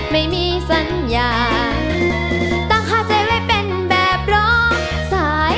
ไม่มีสัญญาณตั้งค่าใจไว้เป็นแบบรอสาย